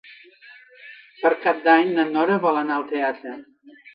Per Cap d'Any na Nora vol anar al teatre.